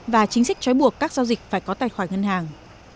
và chính sách trói buộc các giao dịch phải có tài khoản ngân hàng